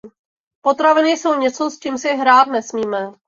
Potraviny jsou něco, s čím si hrát nesmíme.